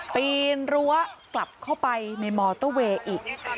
ปีนรั้วกลับเข้าไปในมอเตอร์เวย์อีก